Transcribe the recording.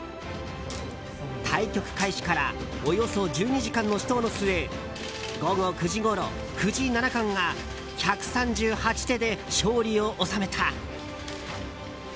対局開始からおよそ１２時間の死闘の末午後９時ごろ、藤井七冠が１３８手で勝利を収めた。